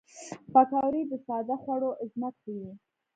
پکورې د ساده خوړو عظمت ښيي